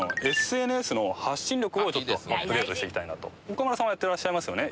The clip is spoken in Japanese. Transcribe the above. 岡村さんはやってらっしゃいますよね。